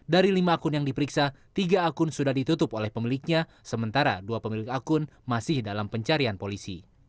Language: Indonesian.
dari lima akun yang diperiksa tiga akun sudah ditutup oleh pemiliknya sementara dua pemilik akun masih dalam pencarian polisi